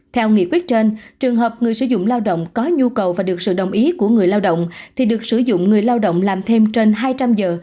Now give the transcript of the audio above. theo nghị quyết trên trường hợp người sử dụng lao động có nhu cầu và được sự đồng ý của người lao động thì được sử dụng người lao động làm thêm trên hai trăm linh giờ